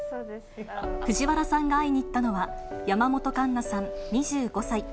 藤原さんが会いに行ったのは、山本栞奈さん２５歳。